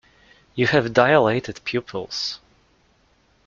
You have dilated pupils.